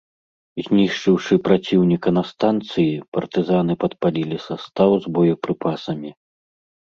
Знішчыўшы праціўніка на станцыі, партызаны падпалілі састаў з боепрыпасамі.